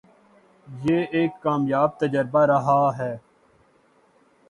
یہ ایک کامیاب تجربہ رہا ہے۔